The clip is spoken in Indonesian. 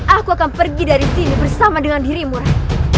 aku akan pergi dari sini bersama dengan dirimu nanti